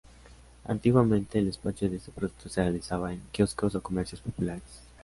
Antiguamente, el despacho de este producto se realizaba en quioscos o comercios populares.